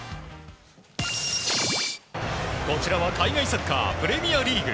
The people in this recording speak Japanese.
こちらは海外サッカープレミアリーグ。